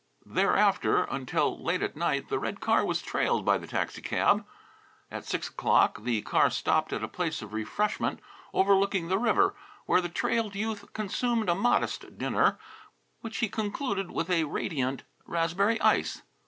Thereafter, until late at night, the red car was trailed by the taxi cab. At six o'clock the car stopped at a place of refreshment overlooking the river, where the trailed youth consumed a modest dinner, which he concluded with a radiant raspberry ice.